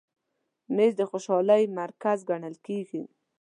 مېز د خوشحالۍ مرکز ګڼل کېږي.